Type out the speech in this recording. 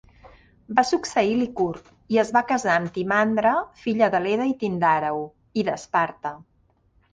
Va succeir Licurg, i es va casar amb Timandra, filla de Leda i Tindàreu i d'Esparta.